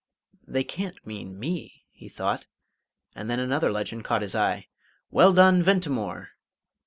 "They can't mean me," he thought; and then another legend caught his eye: "Well done, Ventimore!"